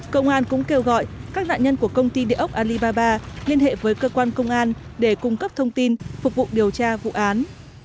công an cũng kêu gọi các nạn nhân của công ty địa ốc alibaba liên hệ với cơ quan công an để cung cấp thông tin phục vụ điều tra vụ án